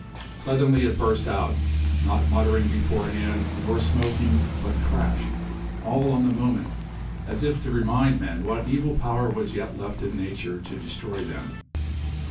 Suddenly it burst out not muttering beforehand, nor smoking but crash! all on the moment, as if to remind men what evil power was yet left in nature to destroy them.